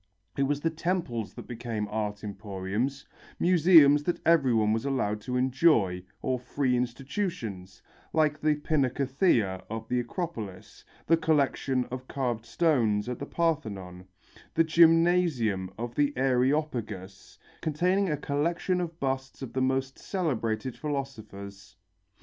It was the temples that became art emporiums museums that everyone was allowed to enjoy or free institutions, like the pinacotheca of the Acropolis, the collection of carved stone at the Parthenon, the gymnasium of the Areopagus, containing a collection of busts of the most celebrated philosophers.